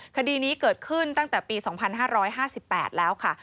คดีนี้เกิดขึ้นตั้งแต่ปี๒๕๕๘แล้วค่ะ